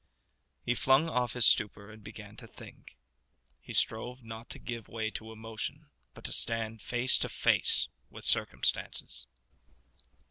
He flung off his stupor and began to think. He strove not to give way to emotion, but to stand face to face with circumstances.